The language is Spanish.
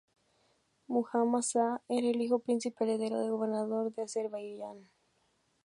Muhammad Sah era hijo del príncipe heredero y gobernador de Azerbaiyán.